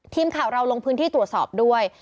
ทีมข่าวเราลงพื้นที่ตรวจสอบด้วย